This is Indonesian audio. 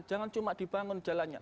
jangan cuma dibangun jalannya